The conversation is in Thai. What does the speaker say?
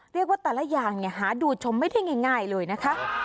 เรียกว่าแต่ละอย่างหาดูชมไม่ได้ง่ายเลยนะคะ